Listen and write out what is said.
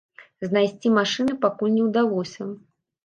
Знайсці машыны пакуль не ўдалося.